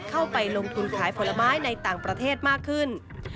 เข้าไปลงทุนขายผลไม้ในต่างประเทศมากขึ้น